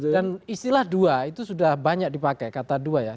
dan istilah dua itu sudah banyak dipakai kata dua ya